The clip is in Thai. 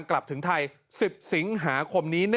การใต้วอดิษฐ์ททรัพย์